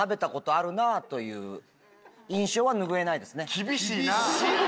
厳しいなぁ！